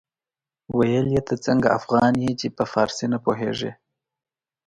ويل يې ته څنګه افغان يې چې په فارسي نه پوهېږې.